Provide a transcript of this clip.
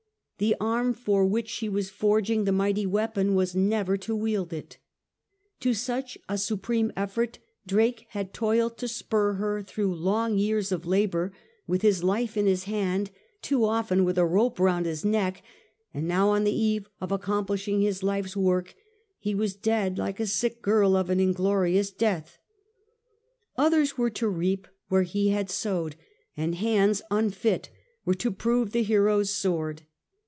The arm for which she was forging the mighty weapon was never to wield it To such a supreme effort Drake had toiled to spur her through long years of labour with his life in his hand, too often with a rope round his neck; and now on the eve of accomplishing his life's work he was dead like a sick girl of an inglorious deatL Others were to reap where he had sowed, and hands imfit were to prove the hero's sword.